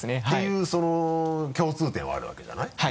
ていうその共通点はあるわけじゃない？